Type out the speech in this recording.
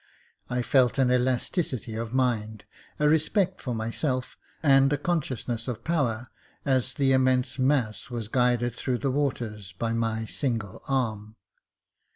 I felt an elasti city of mind, a respect for myself, and a consciousness of power, as the immense mas., was guided through the waters by my single arm.